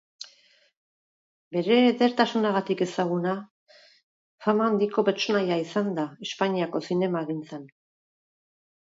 Bere edertasunagatik ezaguna, fama handiko pertsonaia izan da Espainiako zinemagintzan.